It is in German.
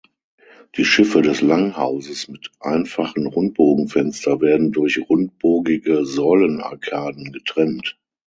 Die Schiffe des Langhauses mit einfachen Rundbogenfenster werden durch rundbogige Säulenarkaden getrennt.